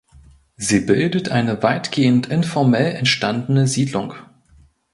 Sie bildet eine weitgehend informell entstandene Siedlung.